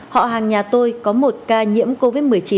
họ hàng nhà tôi có một ca nhiễm covid một mươi chín